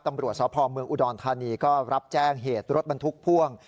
ตำรวจสพเมืองอุดรธานีก็รับแจ้งเหตุรถบรรทุกพ่วง